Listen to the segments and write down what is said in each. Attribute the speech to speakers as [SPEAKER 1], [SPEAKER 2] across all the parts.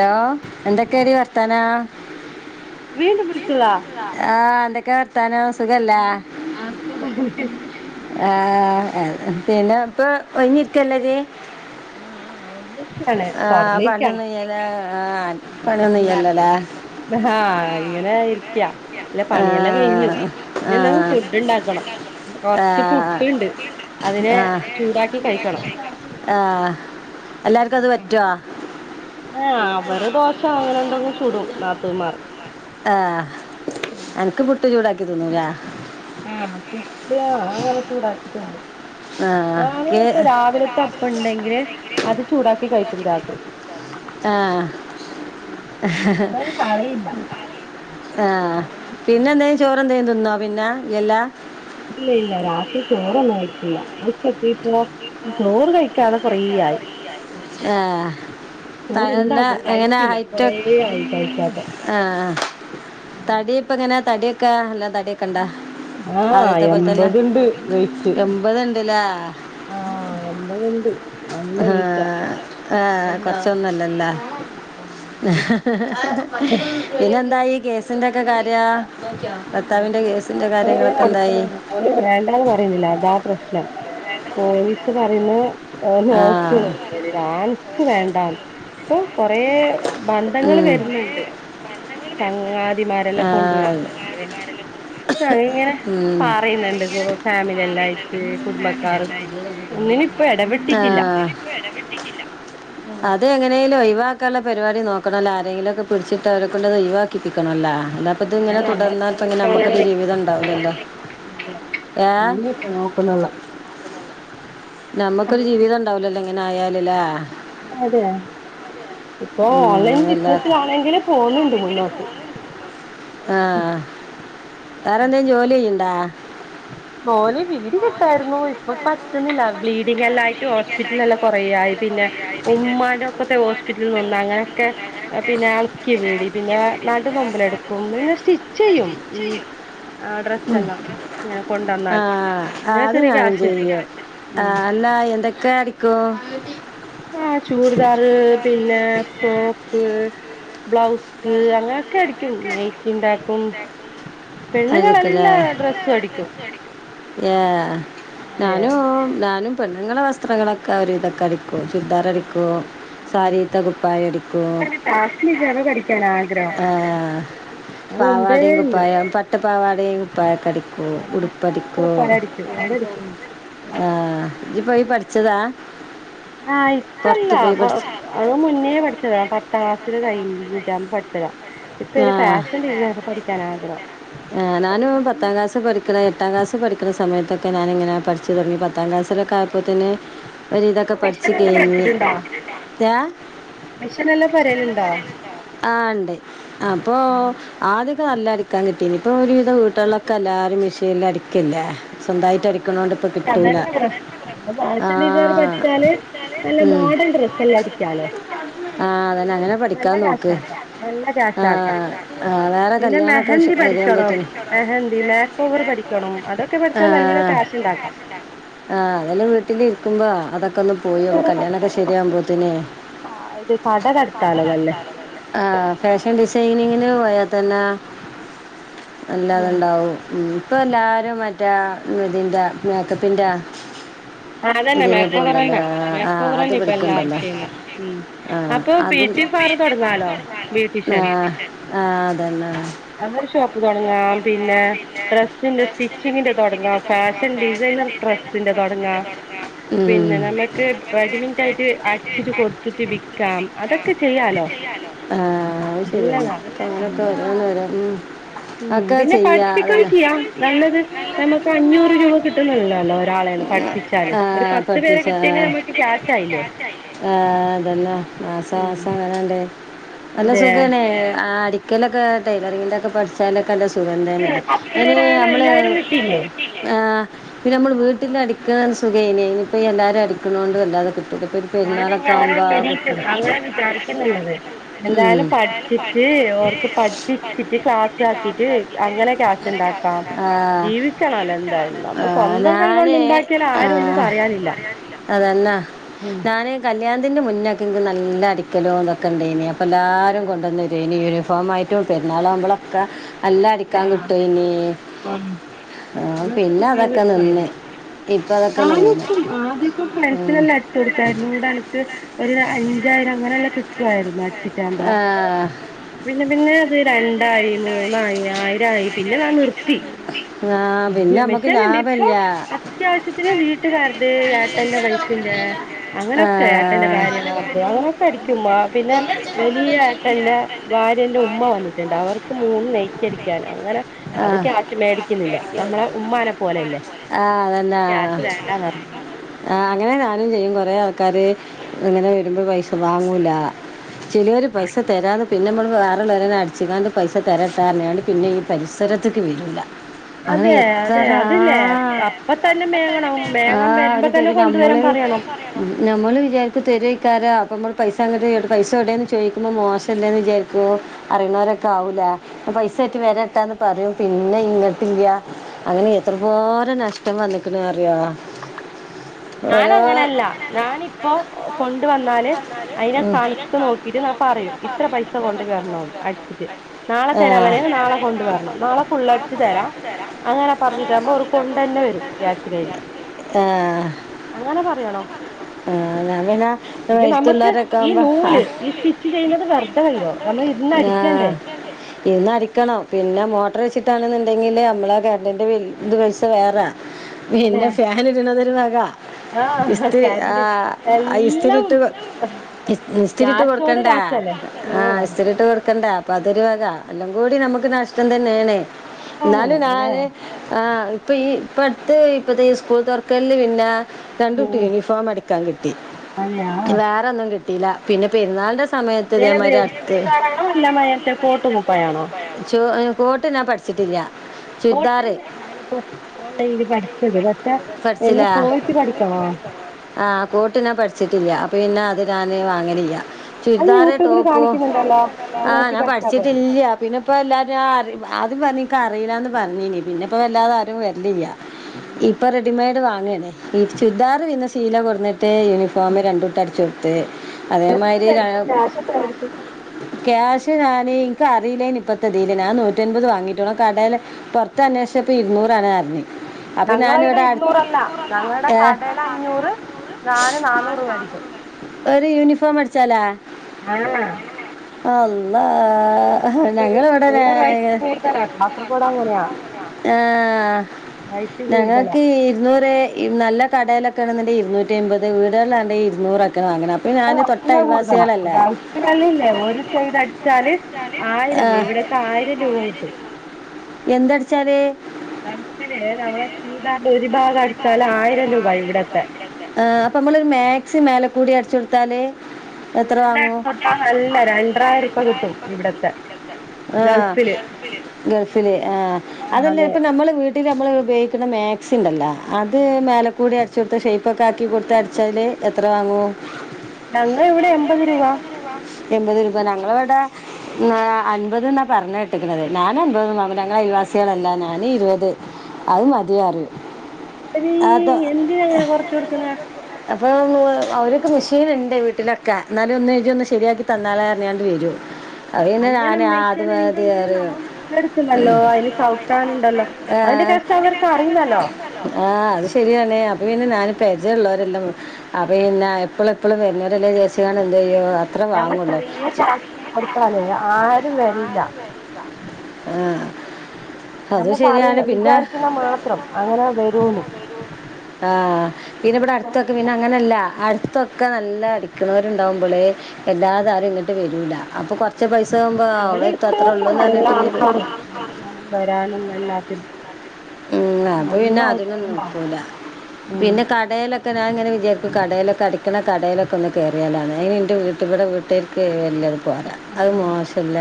[SPEAKER 1] Hello
[SPEAKER 2] hello
[SPEAKER 1] എന്തൊക്കെടി വർത്തനാ
[SPEAKER 2] വീണ്ടും വിളിച്ചതാ
[SPEAKER 1] ആ എന്തൊക്കെ വർത്താനോം സുഖല്ലേ
[SPEAKER 2] ആഹ് സുഖാണ്
[SPEAKER 1] ആ പിന്നെ പ്പ ഒയിഞ്ഞിരിക്കല്ലതേ
[SPEAKER 2] ആ ആ ആണ്
[SPEAKER 1] ആ
[SPEAKER 2] തുർന്നിക്കാണ്
[SPEAKER 1] പണിയൊന്നും ചെയ്യല ആ പണിയൊന്നും ചെയ്യല്ലല്ലേ
[SPEAKER 2] ആ ഇങ്ങനെ ഇരിക്കാ അല്ല
[SPEAKER 1] ആ
[SPEAKER 2] പണിയെല്ലാം കഴിഞ്ഞു പിന്നെ
[SPEAKER 1] ആ
[SPEAKER 2] എന്താ ഫുഡ് ഇണ്ടാക്കണം
[SPEAKER 1] ആ
[SPEAKER 2] കൊറച്ച് പുട്ടുണ്ട് അതിനെ
[SPEAKER 1] ആ
[SPEAKER 2] ചൂടാക്കി കഴിക്കണം
[SPEAKER 1] ആ എല്ലാവർക്കും അത് പറ്റുമോ
[SPEAKER 2] ആ ഒരു ദോശ അങ്ങനെ എന്തെങ്കിലും ചുടും നാത്തൂമാർ
[SPEAKER 1] ആ എനക്ക് പുട്ട് ചൂടാ തിന്നൂല്ല
[SPEAKER 2] ആ പുട്ട് അങ്ങനെ ചൂടാക്കി തിന്നും
[SPEAKER 1] ആ
[SPEAKER 2] ഞാന്
[SPEAKER 1] കേ
[SPEAKER 2] ഇപ്പൊ രാവിലത്തെ അപ്പ ഉണ്ടെങ്കില് അത് ചൂടാക്കി കഴിക്കും രാത്രി
[SPEAKER 1] ആ
[SPEAKER 2] അതിനു കറിയില്ല
[SPEAKER 1] ആ എലാ
[SPEAKER 2] ഇല്ലയില്ല രാത്രി ചോറൊന്നും ആയിട്ടില്ല ആട്ട ഇപ്പൊ ചോറ് കഴിക്കാതെ കൊറായായി
[SPEAKER 1] ആ
[SPEAKER 2] ചോറ്
[SPEAKER 1] ല്ല
[SPEAKER 2] ഇണ്ടാക്കും
[SPEAKER 1] എങ്ങനെ
[SPEAKER 2] കഴിക്കില്ല
[SPEAKER 1] ഹൈറ്റ്
[SPEAKER 2] കൊറേ ആയി കഴിക്കാതെ
[SPEAKER 1] ആ തടിപ്പ എങ്ങനെ തടിയൊ [unintelligible]
[SPEAKER 2] ആ
[SPEAKER 1] തന്നെ
[SPEAKER 2] എമ്പത്ണ്ട് വെയറ്റ്
[SPEAKER 1] എൺപത് ഉണ്ടല്ലേ
[SPEAKER 2] ആ എമ്പത്ണ്ട് നല്ല
[SPEAKER 1] ആ
[SPEAKER 2] വെയിറ്റാ
[SPEAKER 1] ആ കൊറച്ചൊന്നുല്ലല്ല പിന്നെ എന്തായി ഗ്യസിന്റെ ഒക്കെ കാര്യ ഭർത്താവിന്റെ കേസിന്റെ കാര്യങ്ങളൊക്കെ എന്തായി
[SPEAKER 2] അവര് വേണ്ടാന്ന് പറയുന്നില്ല അതാ പ്രശ്നം പോലീസ് പറയുന്ന ഓ
[SPEAKER 1] ആ
[SPEAKER 2] നോക്കുന്നു [unintelligible] വേണ്ടാ ഇപ്പൊ കൊറേബന്ധങ്ങൾ
[SPEAKER 1] ഉം
[SPEAKER 2] വരുന്നുണ്ട് ങ്ങാ
[SPEAKER 1] ആ
[SPEAKER 2] മാരെല്ലാം കൊണ്ട് വരുന്ന അങ്ങനെ
[SPEAKER 1] ഉം
[SPEAKER 2] പറയുന്നുണ്ട്പ്പൊ ഫാമിലി എല്ലായിട്ട് കുടുംബക്കാർ ഒന്നിന് ഇപ്പൊ
[SPEAKER 1] ആ
[SPEAKER 2] എടപെട്ടിട്ടില്ല ഉം
[SPEAKER 1] ഏലും ഒഴിവാക്കാൻള്ള പരിപാടി നോക്കണല്ലോ ആരെങ്കിലും ഒക്കെ പിടിച്ചിട്ട് അവരെ കൊണ്ട് അത് ഒഴിവാക്കിപ്പിക്കണല്ലോ
[SPEAKER 2] [unintelligible]
[SPEAKER 1] ജീവിതം ഉണ്ടാവില്ലല്ലോ ഏ
[SPEAKER 2] അങ്ങനെയിപ്പൊ നോക്ക്ന്നൊള്ളെ
[SPEAKER 1] നമുക്കൊരു ജീവിതംണ്ടാവൂലല്ലോ ങ്ങ ങ്ങനായാല് ലേ
[SPEAKER 2] അതേ ഇപ്പൊ ഓൺലൈൻ
[SPEAKER 1] എല്ലാ
[SPEAKER 2] ബിസിനസിലാണെങ്കില് പോന്ന്ണ്ട് മുന്നോട്ട്
[SPEAKER 1] ആ വേറെ എന്തേലും ജോലി ചെയ്യ്ണ്ടാ
[SPEAKER 2] മോന് ബീടി കി ട്ടായ്ര്ന്നു ഇപ്പ പറ്റുന്നില്ല ബ്ലീഡിങ്ങല്ലായ്ട്ട് ഹോസ്പിറ്റൽലെല്ലാം കൊറേയായി പിന്നെ ഉമ്മാന്റാെപ്പത്തെ ഹോസ്പിറ്റ്ൽ നിന്ന് അങ്ങനൊക്കെ പിന്നെ അൾക്കീ പേടി പിന്നേ നാട്ട്ന്ന് ഒമ്പലെട്ക്കും പിന്നെ സ്റ്റിച്ചെയ്യും ഉം ആഹ്
[SPEAKER 1] ഉം.
[SPEAKER 2] ഡ്രസ്സെല്ലാം ഞാം
[SPEAKER 1] ആ അത് ഞാനും
[SPEAKER 2] കിട്ടും
[SPEAKER 1] ചെയ്യും ആ
[SPEAKER 2] ഉം
[SPEAKER 1] അല്ലാ എന്തൊക്കെ അടിക്കും
[SPEAKER 2] ആ ചൂര്ദാറ് പിന്നേ ഫ്രോക്ക് ബ്ലൗസ് അങ്ങനെയൊക്കെ അടിക്കും നെയ്റ്റിണ്ടാക്കും പെണ്ണുങ്ങളെല്ലാ ഡ്രസ്സും അടിക്കും
[SPEAKER 1] ഏഹ്
[SPEAKER 2] അതെ
[SPEAKER 1] ഞാനും ഓഹ് ഞാനും പെണ്ണ്ങ്ങളെ വസ്ത്രങ്ങളൊക്കെ ഒര് വിതൊക്കെ അടി ക്കും ചുര്ദാറടിക്കൂം സാരീത്തെ കുപ്പായടിക്കൂം
[SPEAKER 2] ഇപ്പയ്ന് ഫാഷൻ ഡിസൈനർ പഠിക്കാനാ ആഗ്രഹം
[SPEAKER 1] ആഹ്
[SPEAKER 2] അത് മുമ്പേ
[SPEAKER 1] പാവാടിം
[SPEAKER 2] ഇണ്ട്
[SPEAKER 1] കുപ്പായം പ പാവാടേം കുപ്പായൊക്കെ അടിക്കൂ
[SPEAKER 2] പട്ടുപാവാട
[SPEAKER 1] ഉട്പ്പടിക്കൂ
[SPEAKER 2] കുപ്പായം അടിക്കും അതടിക്കും
[SPEAKER 1] ആഹ് ഇയ്യ്പ്പോ പോയ് പഠ്ച്ചതാ
[SPEAKER 2] ആഹ് ഇപ്പല്ല കൊർ അത് മുന്നേ പഠ്ച്ചതാ പ ത്താം ക്ലാസ്സില് കഴി [unintelligible] പഠിച്ചതാണ് ഇപ്പയ്ന് ഫാഷൻ ഡിസൈന് പഠിക്കാനാ ആഗ്രഹം
[SPEAKER 1] ഏഹ് നാനും പത്താം ക്ലാസ് പഠിക്ക്ണെ എട്ടാം ക്ലാസ്സ് പഠിക്ക്ന്ന സമയത്തൊക്കെ ഞാനിങ്ങനെ പഠ്ച്ച് താെടങ്ങി പത്താം ക്ലാസ്‌ലൊക്കെ ആയപ്പോത്ത്ന് ഒര്‌വിതൊക്കെ പഠ്ച്ച്
[SPEAKER 2] മെഷീനെല്ലാം
[SPEAKER 1] കെയ്ഞ്ഞ്
[SPEAKER 2] മേടിച്ചിട്ടുണ്ടോ
[SPEAKER 1] ഏഹ് മിഷീനെല്ലാം പെരേല്ണ്ടോ ആഹ് ണ്ട് അപ്പൊ ആദ്യാെ ക്ക് നല്ലം അടിക്കാൻ പിന്നിപ്പോ ഒര്‌വിധം വീട്ട്കൾലൊക്ക എല്ലാരും മിഷീന്ൽ അടിക്ക്ല്ലേ
[SPEAKER 2] ആ അത് ഒന്നും കിട്ടുന്നില്ലല്ല അതെന്നെ പ്രശ്നം പിന്നെ ഫാഷൻ ഡിസെൻ
[SPEAKER 1] ആഹ്
[SPEAKER 2] പഠിച്ചാല് നല്ല
[SPEAKER 1] ഉം
[SPEAKER 2] മോഡേൺ ഡ്രെസ്സെല്ലാ അടിക്കാലോ
[SPEAKER 1] ആഹ് അതന്നെ അങ്ങനെ
[SPEAKER 2] നല്ല
[SPEAKER 1] പഠിക്കാൻ നോക്ക്
[SPEAKER 2] കാശാക്കാ നല്ല കാശാക്കാ
[SPEAKER 1] ആഹ് ആഹ് വേറെ
[SPEAKER 2] പിന്നെ
[SPEAKER 1] കല്യാണൊക്കെ
[SPEAKER 2] മെഹന്തി പഠിക്കണം
[SPEAKER 1] കഴിയുമ്പോത്തിന്
[SPEAKER 2] മെഹന്തി മേക്ക് ഓവർ പഠിക്കണം അത
[SPEAKER 1] ആ ആ അതല്ലാം വീട്ടിലിരിക്കുമ്പോ അതൊക്കെ ഒന്ന്
[SPEAKER 2] അത്
[SPEAKER 1] പോയി
[SPEAKER 2] വേറെ
[SPEAKER 1] കല്യാണൊക്കെ
[SPEAKER 2] പഠിച്ചാൽ നമുക്ക്
[SPEAKER 1] ശരിയാവുമ്പോത്തിന്
[SPEAKER 2] ആ ഇത് കട നടത്താലോ നല്ലേ
[SPEAKER 1] ആ ഫാഷൻ ഡിസൈ ട്രെയിനിംഗിന് പോയാ തന്നെ അല്ലാതെ ഉണ്ടാവോ ഉം ഇപ്പം എല്ലാരും മറ്റേ ഇതിന്റെ മേക്കപ്പിന്റെ
[SPEAKER 2] ആഹ് അതന്നെ
[SPEAKER 1] ഇതിന്
[SPEAKER 2] മേക്ക് ഓവർ
[SPEAKER 1] പോണണ്ടല്ലോ
[SPEAKER 2] തന്നെ
[SPEAKER 1] ആ ആ
[SPEAKER 2] മേക്ക് ഓവർ
[SPEAKER 1] അത്
[SPEAKER 2] തന്നെ ഇപ്പൊ എല്ലാരും
[SPEAKER 1] പഠിക്കണ്ടല്ലോ
[SPEAKER 2] ചെയ്യുന്നെ ഉം അപ്പൊ
[SPEAKER 1] ആ അതി
[SPEAKER 2] ബ്യൂട്ടി പാർലർ തുടങ്ങാലോ
[SPEAKER 1] ആ
[SPEAKER 2] ബ്യൂട്ടീഷ്യൻ
[SPEAKER 1] ആ അതന്നെ
[SPEAKER 2] അതൊരു ഷോപ്പ് തുടങ്ങാം പിന്നെ ഡ്രസ്സിന്റെ സ്റ്റിച്ചിങ്ങിന്റെ തുടങ്ങാം ഫാഷൻ ഡിസൈനർ ഡ്രസ്സിന്റെ തുടങ്ങാം
[SPEAKER 1] ഉം
[SPEAKER 2] പിന്നെ നമുക്ക് റെഡിമെന്റ് ആയിട്ട് അടിച്ചിട്ട് കൊടുത്തിട്ട് വിക്കാം അതൊക്കെ ചെയ്യാലോ
[SPEAKER 1] ആഹ് അത് ശരിയാണ്
[SPEAKER 2] നല്ലതാ ഉം
[SPEAKER 1] അങ്ങനൊക്കെ ഓരോന്ന് ഓരോ ഉം
[SPEAKER 2] ഉം
[SPEAKER 1] ഒക്കെ
[SPEAKER 2] പിന്നെ
[SPEAKER 1] ചെയ്യാ
[SPEAKER 2] പഠിപ്പിക്കയും
[SPEAKER 1] അതന്നെ
[SPEAKER 2] ചെയ്യാം നല്ലത് നമുക്ക് അഞ്ഞൂറ് രൂപ കിട്ടുന്നൂള്ളേല്ലോ ഒരാളെയാണ് പഠിപ്പിച്ചാല്
[SPEAKER 1] ആ
[SPEAKER 2] ഒരു പത്ത് പേരെ
[SPEAKER 1] പഠിപ്പിച്ച
[SPEAKER 2] കിട്ടിയെങ്കിൽ
[SPEAKER 1] ആ
[SPEAKER 2] നമ്മുക്ക് ക്യാഷ് ആയില്ലേ
[SPEAKER 1] ആ, അതന്നെ മാസം
[SPEAKER 2] ഉം
[SPEAKER 1] മാസം അങ്ങനെയുണ്ട് നല്ല
[SPEAKER 2] അതെ
[SPEAKER 1] സുഖാനേ ആ അടി കിലൊക്കെ ടൈലറിംഗിന്റെ ഒക്കെ പഠിച്ചു തല നല്ല സുഖം തന്നെ
[SPEAKER 2] പത്ത്
[SPEAKER 1] ഇനി
[SPEAKER 2] പേരായാലും
[SPEAKER 1] നമ്മള്
[SPEAKER 2] അയ്യായിരം കിട്ടിയില്ലേ
[SPEAKER 1] ആ പിന്നെ നമ്മൾ വീട്ടിലടി ക്കാൻ സുഖവില്ലേ ഇനിപ്പം എല്ലാരും അടിക്കുന്നോണ്ട് വല്ലാതെ കിട്ടില്ല ഇപ്പോൾ ഒരു
[SPEAKER 2] ഞാൻ
[SPEAKER 1] പെരുന്നാളൊക്കെ
[SPEAKER 2] അങ്ങനെയാണ്
[SPEAKER 1] ആകുമ്പോൾ കിട്ടും
[SPEAKER 2] നിരീക്കുന്നത് അങ്ങനെ വിചാരിക്കുന്നുള്ളത്
[SPEAKER 1] ഉം.
[SPEAKER 2] എന്തായാലും പഠിച്ചിട്ട് ഓർക്ക് പഠിപ്പിച്ചിട്ട് ക്ലാസ് ആക്കിട്ട് അങ്ങനെ ക്യാഷ് ഉണ്ടാക്കാം
[SPEAKER 1] ആ
[SPEAKER 2] ജീവിക്കണല്ലോ എന്തായാലും
[SPEAKER 1] ആ
[SPEAKER 2] നമ്മ സ്വന്തം കൈ കൊണ്ട്
[SPEAKER 1] ഞാന്
[SPEAKER 2] ഉണ്ടാക്കിയാൽ
[SPEAKER 1] ആ
[SPEAKER 2] ആരും ഒന്നും പറയാനില്ല
[SPEAKER 1] അതന്നാ
[SPEAKER 2] ഉം
[SPEAKER 1] ഞാന് കല് ല്യാണത്തിന്റെ മുന്നേ ഒക്കെ എനിക്ക് നല്ല അടിക്കലോതൊക്കെ ഉണ്ടിനി അപ്പം എല്ലാവരും കൊണ്ടുവന്ന് തരിനി യുണി ഫോമായിട്ടും പെരുന്നാളാകുമ്പള
[SPEAKER 2] [unintelligible]
[SPEAKER 1] ആ പിന്നെ അതൊക്കെ നിന്ന് ഇപ്പൊ അതൊക്കെ നിന്ന്
[SPEAKER 2] നൊക്കും ആദ്യക്കെ
[SPEAKER 1] ഉം
[SPEAKER 2] ഫ്രണ്ട്സിനെല്ലാം അടിച്ച് കൊടുക്കായിരുന്നു ഇവിടെ എനിക്ക് ഒരു അഞ്ച് [unintelligible] അങ്ങനെയെല്ലാം കിട്ടുവായിരുന്നു ചിട്ട്ആമ്പോ
[SPEAKER 1] ആ
[SPEAKER 2] പിന്നെ പിന്നെ അത് രണ്ടായി മൂ വായിരമായി പിന്നെ ഞാൻ നിർത്തി
[SPEAKER 1] ആ പിന്നെ നമ്മക്ക്
[SPEAKER 2] മെഷീൻ ഉണ്ട് ഇപ്പൊ
[SPEAKER 1] ലാഭല്ല
[SPEAKER 2] അത്യാവശ്യത്തിന് വീട്ടുകാരുടെ ഏട്ടന്റെ വൈഫിന്റെ
[SPEAKER 1] ആ
[SPEAKER 2] അങ്ങനെയൊക്കെ ഏട്ടന്റെ ഭാര്യമാരുടെ അങ്ങനൊക്കെ അടിക്കുമ്പ പിന്നെ വലിയ എട്ടന്റെ ഭാര്യന്റെ ഉമ്മ വന്നിട്ടുണ്ട് അവർക്ക് മൂന്ന് നൈ റ്റി അടിക്കൻ അങ്ങനെ
[SPEAKER 1] ആ
[SPEAKER 2] അത് ക്യാഷ് മേടിക്കുന്നില്ലഅത് ക്യാഷ് മേടികുന്നില്ല നമ്മളെ ഉമ്മാനെ പോലല്ലേ
[SPEAKER 1] ആ
[SPEAKER 2] അത് ക്യാഷ്
[SPEAKER 1] അതന്നെ
[SPEAKER 2] വേണ്ടന്ന് പറഞ്ഞു
[SPEAKER 1] കൊറേ ആൾക്കാര് അങ്ങനെ വരുമ്പോ പൈസ വാങ്ങൂല ചിലവര് പൈസ തരാതെ പോ പിന്നെ നമ്മള് വേറെള്ളവരെന്ന് അടിച്ചതാണ്ട് പൈസ തരട്ടാനണ്ട് പിന്നെ ഈ പരിസരത്തേക്ക് വരൂല്ല അങ്ങെ
[SPEAKER 2] അതെ
[SPEAKER 1] എത്ര
[SPEAKER 2] അതെ അതില്ലേ അപ്പ തന്നെ മേങ്ങണം മേങ്ങാൻ
[SPEAKER 1] ആര്
[SPEAKER 2] വരുമ്പോ തന്നെ
[SPEAKER 1] തെര് നമ്മള്
[SPEAKER 2] കൊണ്ടുവരാൻ പറയണം
[SPEAKER 1] നമ്മള് വിചാരിക്ക തരുക്കാര നമ്മ പൈസ തന്നിട്ടേ എടു പൈസ എവിടെയന്ന് ചോദിക്കുമ്പോ മോശം ഇല്ലന്ന് വിചാരിക്കോ അറിയുന്നവരൊക്കെ ആവൂല പൈസ ആയിട്ട് വരട്ടാന്ന് പറയും പിന്നെ ഇങ്ങട്ടില്ല അങ്ങനെ എത്ര പോറെരെ നഷ് ഇടം വന്നക്കണറിയാ
[SPEAKER 2] ഞാന അങ്ങനല്ല ഞാനിപ്പോൊ കൊണ്ട് വന്നാല് അയിനെ കാണ
[SPEAKER 1] [inaudible] ആ [inaudible]
[SPEAKER 2] വരണോന്ന് അടിച്ചിട്ട് നാളെ തരാന്നല്ലേ നാളെ കൊണ്ട് വരണം നാളെ ഫുള്ള് അടിച്ചു തരാം അങ്ങനെ പറഞ്ഞിട്ടാകുമ്പോ ഓര് കൊണ്ടന്നെ വരും ക്യാഷ് കയ്യില്
[SPEAKER 1] ആാാ
[SPEAKER 2] അങ്ങനെ പറയണം
[SPEAKER 1] ആ ഞാൻ പിന്ന [inaudible] ത്തുള്ളരൊക്കുമ്പ
[SPEAKER 2] പൂല് ഈ സ്റ്റിച്ച് ചെയ്യുന്നത് വെറുത കയ്യോ നമ്മൾ ഇന്ന്
[SPEAKER 1] ആ
[SPEAKER 2] അടിക്കണ്ടേ
[SPEAKER 1] [inaudible] ണെന്നുണ്ടെങ്കിൽ നമ്മള ആ കഡന്റെ ഇത് പൈസ വേറെ പിന്നെ
[SPEAKER 2] അല്ലെ
[SPEAKER 1] ഫാൻ ഇടണത് ഇനക
[SPEAKER 2] ആഹ് കാ [inaudible] എല്ലാം
[SPEAKER 1] നിസ്രിട്ട്
[SPEAKER 2] ക്യാഷോട്
[SPEAKER 1] കൊടുക്കണ്ടേ
[SPEAKER 2] ക്യാഷല്ലേ
[SPEAKER 1] ആ
[SPEAKER 2] ആഹ്
[SPEAKER 1] നിസ്രിട്ട് കൊട് നക്കണ്ട അപ്പൊ അതൊ വക എല്ലാം കൂടി നമുക്ക് നഷ്ടം തന്നെയാണ്
[SPEAKER 2] ആണ്
[SPEAKER 1] എന്നാലും
[SPEAKER 2] അതെ
[SPEAKER 1] നാല് ആ ഇപ്പൊ ഈ ഇപ്പ അടുത്ത് ഇപ്പത്തെ ഈ സ്കൂൾ തുറക്കല് പിന്നെ രണ്ടുട്ട്
[SPEAKER 2] ഉം
[SPEAKER 1] യൂണിഫോം എടുക്കാൻ കിട്ടി
[SPEAKER 2] അതെയാ
[SPEAKER 1] വേറെ ഒന്നും കിട്ടി ട്ടില പിന്നെ പെരുന്നാളിന്റെ സമയത്ത്
[SPEAKER 2] ഏത്
[SPEAKER 1] ഇതേമാതിരി അടുത്ത്
[SPEAKER 2] ചുരിദാറാണോ അല്ല മറ്റേ കോട്ടും കുപ്പായാണോ
[SPEAKER 1] കോട്ട് ഞാ പ സിറ്റില്ല
[SPEAKER 2] പോട്ടെന്നെ ഞാനിപ്പോ ഓൺലൈനിൽ പഠിച്ചത് പക്ഷെ ഇനി
[SPEAKER 1] പഠിച്ചില്ല
[SPEAKER 2] പോയിട്ട് പഠിക്കണോ
[SPEAKER 1] ആ വാങ്ങനില്ല
[SPEAKER 2] അത്
[SPEAKER 1] ചുരിദാറ
[SPEAKER 2] യൂട്യൂബില്
[SPEAKER 1] ടോപ്പ്
[SPEAKER 2] കാണിക്കുന്നുണ്ടല്ലോ അത്
[SPEAKER 1] ആ
[SPEAKER 2] നോക്കി
[SPEAKER 1] ഞാൻ
[SPEAKER 2] പഠിച്ചാ പോരെ
[SPEAKER 1] പഠിച്ചിട്ടില്ല പിന്നെ ഇപ്പോ എല്ലാരും ആദ്യം പറഞ്ഞ് ഒക്ക അറിയില്ലാന്ന് പറഞ്ഞിനി പിന്നെ ഇപ്പം വല്ലാതെ ആരും വരില്ലില്ല ഇപ്പൊ റെഡിമെയ്ഡ് വാങ്ങ ങ്ങന ഈ ചുര്ദാറ് പിന്ന ശീല കൊറഞ്ഞ മറ്റെ യൂണിഫോം രണ്ടുട്ടം അടിച്ചു റ്റെ
[SPEAKER 2] എത്ര
[SPEAKER 1] അതേമാതിരി
[SPEAKER 2] മേടിക്കും
[SPEAKER 1] രം
[SPEAKER 2] ക്യാഷ് എത്ര മേടിക്കും
[SPEAKER 1] ക്യാ പക്ഷേ ഞാന് എനക്ക് അറിയില്ലേനു ഇപ്പോത്തെ ഇതില്ല ഞാൻ നൂറ്റൻപത് വാങ്ങിയിട്ടോള്ളു കടയിൽ പുറത്ത അന്വേഷിച്ച ഇപ്പോ ഇരുന്നൂറാണ്ണ അറിഞ്ഞത്
[SPEAKER 2] ഞങ്ങള ഇടെ ഇുന്നൂറല്ല ഞങ്ങളുടെ
[SPEAKER 1] ഏ
[SPEAKER 2] കടല അഞ്ഞൂറ് നാന് നന്നൂറ് രൂപ വേടിക്കും
[SPEAKER 1] ഒരു യൂണിഫോം അടിച്ചാലാ
[SPEAKER 2] ആ
[SPEAKER 1] അല്ലാ ഞങ്ങള ഇവിടെ
[SPEAKER 2] റേറ്റ് കൂടുതലാ കാസർഗോഡ് അങ്ങനെയാ
[SPEAKER 1] ആ
[SPEAKER 2] റേറ്റ് കൂടുതലാ
[SPEAKER 1] ഞങ്ങൾക്ക് ഇരുന്നൂറ് നല്ല കടയിലൊക്കെണു ഇരുന്നൂറ്റിൻമ്പത് വീടുകളിലാണെ ഇരുന്നൂറ
[SPEAKER 2] വീടെ നല്ല കൂടുതലാ ഗൾഫല്ലല്ലേ ഒരു സൈഡ് അടിച്ചാല്
[SPEAKER 1] ആ,
[SPEAKER 2] ആയിരം ഇവിടത്തെ ആയിരം രൂപ കിട്ടും
[SPEAKER 1] എന്തടിച്ചാൽ
[SPEAKER 2] ദേ അവളെ ചൂതാണ്ട് വരും വിഭാഗം അടച്ചാൽ ആയിരം രൂപ ഇവിടത്തെ
[SPEAKER 1] കൂടിയടിച്ചുടുത്താലേ എത്ര
[SPEAKER 2] ഫുള്ള്
[SPEAKER 1] വാങ്ങോ
[SPEAKER 2] അടിച്ചോട്ടാ നല്ല രണ്ടായിരം രൂപ കിട്ടും ഇവിടത്തെ
[SPEAKER 1] ആ
[SPEAKER 2] ഗൾഫില്
[SPEAKER 1] ഗൾഫില് ആ
[SPEAKER 2] ആ
[SPEAKER 1] അതല്ലേ
[SPEAKER 2] അതെ
[SPEAKER 1] ഇപ്പൊ നമ്മള് വീട്ടില് നമ്മള് ഉപയോഗിക്കുന്ന മാക്സി ഇണ്ടല്ലോ അത് മേലെ കൂട ചെറത്ത ഷേ്പപ്പ്ക്ക ആക്കി കൊടുത്ത അടച്ചാല് എത്ര വാങ്ങും
[SPEAKER 2] ഞങ്ങ ഇവിടെ എൺപത് രൂപ
[SPEAKER 1] എൺപത് രൂപ ഞങ്ങളവിട അൻപത് എന്നാ പറഞ്ഞ് കേട്ട്ക്കുന്നത് ഞാൻ അൻപത് ഞങ്ങള അഴിവാസികളല്ലേ ഞാന് ഇരുപത് അത് മതിന്ന് പറിയും
[SPEAKER 2] എടീ
[SPEAKER 1] അതൊ
[SPEAKER 2] എന്തിനാ അങ്ങനെ കൊറച്ച് കൊടുക്കുന്നെ
[SPEAKER 1] അപ്പൊ അവര് മെഷീൻ ഉണ്ട് വീട്ടിലൊക്കെ എന്നാലും ഒന്ന്ജൊന്ന് ഒന്ന് ശരിയാക്കി തന്നാള അറഞ്ഞിയാണ്ട് വരും
[SPEAKER 2] അങ്ങനെമ്മേശ്യൻ എന്തെങ്കിലും നമ്മൾ നൂടെ എടുക്കുന്നല്ലോ അതിന് ചവിട്ടാനുണ്ടല്ലോ അതിന്റെ
[SPEAKER 1] ഏഹ്
[SPEAKER 2] കഷ്ടം അവർക്ക് അറിയുന്നല്ലോ
[SPEAKER 1] ആ അത് ശരിയാണ് അപ്പം പിന്നെ ഞാൻ പരിജയള്ളവരെല്ല അപ്പ പിന്നെ എപ്പോള എപ്പോഴും വരുന്നതല്ലേ ജാരിച്ച്കാട്ട് എന്തേ
[SPEAKER 2] നമ്മ ചെറിയ പ്രശ കൊടുത്താലേ ആരും വരില്ല
[SPEAKER 1] ആ അത്
[SPEAKER 2] പറി
[SPEAKER 1] ശരിയാണ്
[SPEAKER 2] വിചാരിക്കുന്ന മാത്രം അങ്ങനെ വ
[SPEAKER 1] ആഹ് പിന്നെ ഇവിടെ
[SPEAKER 2] പക്ഷെ
[SPEAKER 1] അടുത്തൊക്കെ
[SPEAKER 2] വരുന്നില്ല
[SPEAKER 1] പിന്നെ അങ്ങനെയല്ല അടുത്തൊക്കെ നല്ല അടിക്കുന്നവരുണ്ടാവുമ്പോളേ എല്ലാ താരും ഇങ്ങിട്ട് വ ടൂല അപ്പൊ കൊറ
[SPEAKER 2] അങ്ങനെ നല്ല
[SPEAKER 1] പറഞ്ഞിട്ട്
[SPEAKER 2] ആൾക്ക്
[SPEAKER 1] വരും
[SPEAKER 2] പടിക്കാനും വരാനും എല്ലാത്തിനും
[SPEAKER 1] ഉം അപ്പൊ
[SPEAKER 2] നല്ല
[SPEAKER 1] പിന്നെ അതൊനൊന്നും
[SPEAKER 2] ആൾക്കാരുണ്ടാവും
[SPEAKER 1] നിക്കൂല
[SPEAKER 2] ഉം
[SPEAKER 1] പിന്നെ കടലൊക്കെങ്ങനെ എർക്ക് കടയിലൊക്കെ അടിക്കണ കടയിലൊക്കെ ഒന്ന് കയറിയാലാണ് അതിന് എൻ്റെ വീട്ടും ഇവിടെ വീട്ടിലേക്ക് വല്ലത് പോറ അത്
[SPEAKER 2] ഉം
[SPEAKER 1] മോശില്ല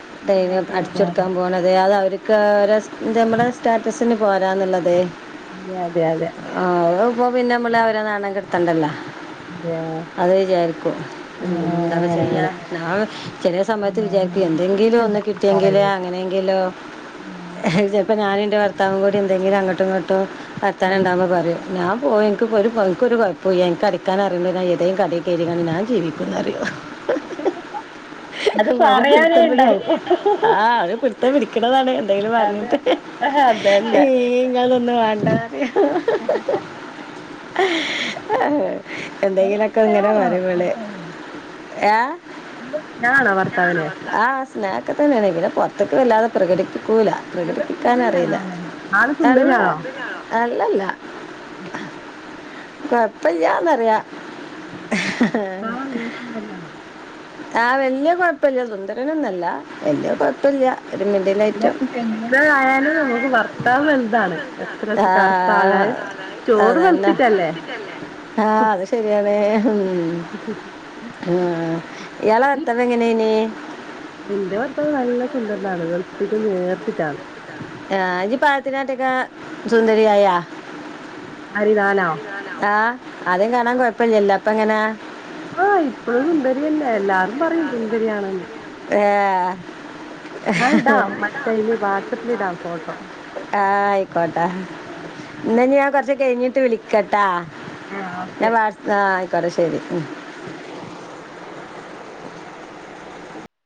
[SPEAKER 1] [unintelligible]
[SPEAKER 2] അതെ
[SPEAKER 1] അടിച്ച
[SPEAKER 2] അതെ അതെ
[SPEAKER 1] കൊടുക്കാൻ പോണത് അത അവർ ക രസ് നമ്മുടെ സ്റ്റാറ്റസിന് പോരാന്നുള്ളത്
[SPEAKER 2] അതെ അതെ അതെ
[SPEAKER 1] അപ്പൊ പിന്നെ നമ്മളെ അവരെ നാണം കെടുത്തണ്ടല്ലോ
[SPEAKER 2] അതെ അതെ
[SPEAKER 1] അത് വിചാരിക്കും ഉം
[SPEAKER 2] ആഹ്
[SPEAKER 1] എന്താ
[SPEAKER 2] ആഹ് അങ്ങനെ
[SPEAKER 1] ചെയ്യാ
[SPEAKER 2] അങ്ങനെ
[SPEAKER 1] ഞാൻ ചെല സമയത്ത്
[SPEAKER 2] ആഹ്
[SPEAKER 1] വിചാരിക്കു
[SPEAKER 2] അത്
[SPEAKER 1] എന്തെങ്കിലും ഒന്ന്
[SPEAKER 2] ശരിയന്നെ
[SPEAKER 1] കിട്ടിയെങ്കില്
[SPEAKER 2] പറയുന്നത്
[SPEAKER 1] അങ്ങനെയെങ്കിലോ
[SPEAKER 2] ഉം
[SPEAKER 1] ചിലപ്പോ ഞാന ഭർത്താവും കൂടി എന്തെങ്കിലും അങ്ങട്ടും ഇങ്ങോട്ടും വർത്താനം
[SPEAKER 2] ഉം
[SPEAKER 1] ഉണ്ടാവുമ്പോൾ പറയും ഞാൻ പോയി എനിക്ക് ഒരു എനിക്ക് ഒരു കുഴപ്പമില്ല ൻക്ക് അടിക്കാൻ അറിയുംഏതേ കടയിൽ കേറി ഞാൻ ജീവിക്കുന്നു പറയും
[SPEAKER 2] അത്
[SPEAKER 1] അവര്
[SPEAKER 2] പറയാനേ
[SPEAKER 1] പിടുത്തം പി
[SPEAKER 2] ഉണ്ടാവൂ
[SPEAKER 1] ആഹ് പിടുത്തം പിടിക്കണതാണ് എന്തെങ്കിലും
[SPEAKER 2] അതെ
[SPEAKER 1] പറഞ്ഞിട്ട്
[SPEAKER 2] അതന്നെ
[SPEAKER 1] ഈ ഇങ്ങളൊന്നു ആ [unintelligible]
[SPEAKER 2] നല്ല
[SPEAKER 1] എന്തെങ്കിലൊക്കെ ഇങ്ങനെ
[SPEAKER 2] സ്നേഹാണോ
[SPEAKER 1] വരുമ്പള്
[SPEAKER 2] ഭർത്താവിന് നല്ല സ്നേഹാണോ ഭർത്താവിന്
[SPEAKER 1] ആഹ് സ്നേഹൊക്കെ തന്നെയാണ് ഇങ്ങനെക്കേ തന്നെ പുറത്തക്കേ വല്ലാതെ പ്രകടിപ്പി ക്കുലാ
[SPEAKER 2] നല്ല
[SPEAKER 1] [unintelligible]
[SPEAKER 2] ആള് സുന്ദരിയാണോ
[SPEAKER 1] അല്ലല്ല കുഴപ്പല്ലാന്നറിയ
[SPEAKER 2] [unintelligible]
[SPEAKER 1] ആഹ് വല്യ കുഴപ്പില്ല സുന്ദരൻ ഒന്ന് അല്ലാ വല്യ കൊഴപ്പല്ല ഒരുമിടിലയിറ്റം
[SPEAKER 2] എങ്ങനെ ആയാലും നമുക്ക് ഭർത്താവ് വലുതാണ് എത്ര കറുത്താളായാലും
[SPEAKER 1] ആഹ്
[SPEAKER 2] ചോറ്
[SPEAKER 1] അതന്നാ
[SPEAKER 2] വെളുത്തിട്ടല്ലേ
[SPEAKER 1] ആഹ് അത് ശരിയാണ് ഉം ആഹ് ഇയാളെ ഭർത്താവ്‌ എങ്ങനെയാണ്
[SPEAKER 2] എന്റെ ഭർത്താവ്‌ നല്ല സുന്ദരനാണ് വെളുത്തിട്ട് നേർത്തിട്ടാണ്
[SPEAKER 1] ആഹ് ഈ പായത്തിനാട്ടൊക്ക സുന്ദരിയായാ
[SPEAKER 2] ആര് ഞാനോ
[SPEAKER 1] അത് കാണാൻ കുഴപ്പല്ലല്ലോ അപ്പ എങ്ങനാ
[SPEAKER 2] ആഹ് ഇപ്പഴും സുന്ദരി തന്നെ എല്ലാരും പറയും സുന്ദരിയാണ്
[SPEAKER 1] ആഹ്
[SPEAKER 2] ഞാൻ ഇടാം മറ്റേല്
[SPEAKER 1] ആഹ്
[SPEAKER 2] വാട്സപ്പിൽ ഇടാം ഫോട്ടോ
[SPEAKER 1] ആഹ് പോട്ടെ ഇനി ഞാൻ കുറച്ച് കഴിഞ്ഞിട്ട് വിളിക്കട്ടാ
[SPEAKER 2] ആഹ് ഓക്കെ
[SPEAKER 1] ഞാൻ വാട്‌സ് ആഹ് അത് ശരി ഉം